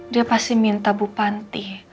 dia pasti minta bu panti